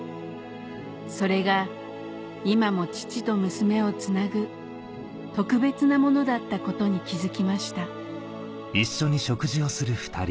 それが今も父と娘をつなぐ特別なものだったことに気付きました